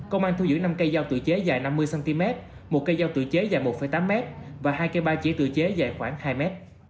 công an thu giữ năm cây dao tự chế dài năm mươi cm một cây dao tự chế dài một tám m và hai cây ba chỉ tự chế dài khoảng hai m